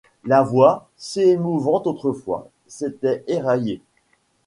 La voix, si émouvante autrefois, s'était éraillée.